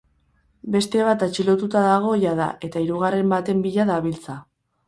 Beste bat atxilotuta dago jada eta hirugarren baten bila dabiltza.